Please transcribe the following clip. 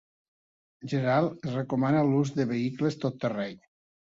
En general, es recomana l'ús de vehicles tot terreny.